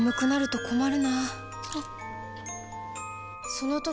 その時